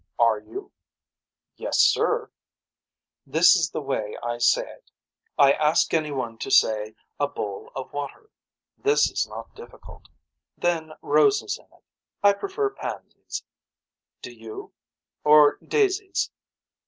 Are you. Yes sir. This is the way I say it. I ask any one to say a bowl of water. This is not difficult. Then roses in it. I prefer pansies. Do you. Or daisies.